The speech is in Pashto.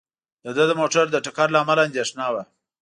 د ده د موټر د ټکر له امله اندېښنه وه.